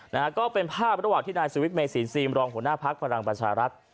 นะฮะก็เป็นภาพระหว่างที่นายสุวิทย์เมสินซีมรองหัวหน้าพักพลังประชารัฐ